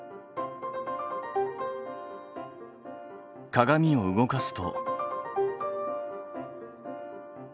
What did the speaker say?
鏡を動かすと。